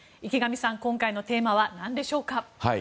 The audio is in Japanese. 池上さん、今回のテーマは何でしょうか？